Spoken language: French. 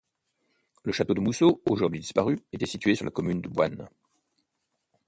Le château de Mousseaux, aujourd'hui disparu, était situé sur la commune de Boynes.